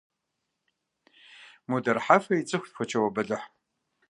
Мудар Хьэфэр ицӀыхут фочауэ бэлыхь.